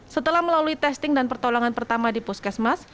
setelah melalui testing dan pertolongan pertama di puskesmas